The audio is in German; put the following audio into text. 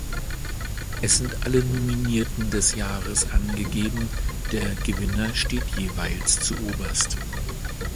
Es sind alle Nominierten des Jahres angegeben, der Gewinner steht jeweils zuoberst.